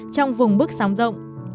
trong vùng bức sóng rộng